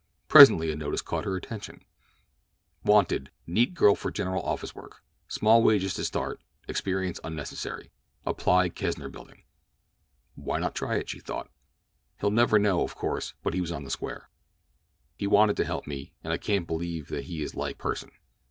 Presently a notice caught her attention: WANTED—Neat girl for general office work; small wages to start; experience unnecessary. Apply Kesner Building. "Why not try it?" she thought. "He'll never know, of course, but he was on the square. He wanted to help me, and I can't believe that he is like Pursen.